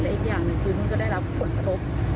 อีกอย่างหนึ่งคือนู่นก็ได้รับผลกระทบ